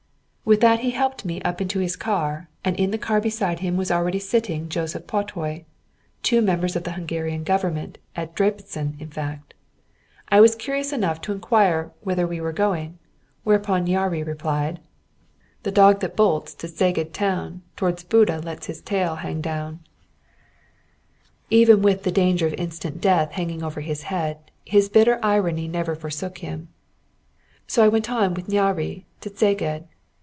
With that he helped me up into his car, and in the car beside him was already sitting Joseph Patay two members of the Hungary Government at Debreczin, in fact. I was curious enough to inquire whither we were going, whereupon Nyáry replied: "The dog that bolts to Szeged town T'wards Buda lets his tail hang down." [Footnote 99: Buda and Szeged being in diametrically opposite directions.] Even with the danger of instant death hanging over his head, his bitter irony never forsook him. So I went on with Nyáry to Szeged.